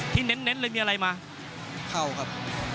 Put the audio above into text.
สวัสดีครับ